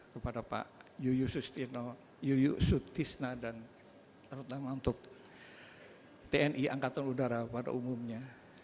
kepada pak yuyuk sutisna dan terutama untuk tni angkatan udara pada umumnya